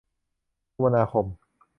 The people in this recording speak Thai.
คมนาคม